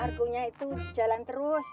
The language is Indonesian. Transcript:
argonya itu jalan terus